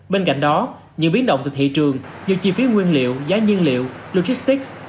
bên cạnh đó nhiều biến động từ thị trường nhiều chi phí nguyên liệu giá nhiên liệu logistics